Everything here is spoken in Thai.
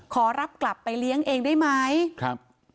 ขอรับกลับไปเลี้ยงเองได้ไหมครับ